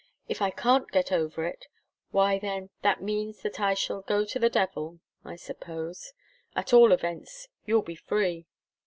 If I can't get over it why then, that means that I shall go to the devil, I suppose. At all events, you'll be free."